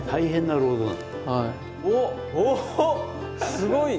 すごい。